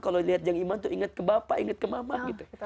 kalau lihat yang iman tuh inget ke bapak ingat ke mama gitu